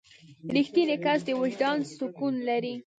• رښتینی کس د وجدان سکون لري.